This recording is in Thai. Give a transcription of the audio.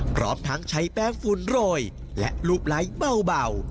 พร้อมทั้งใช้แป้งฝุ่นโรยและรูปไลค์เบา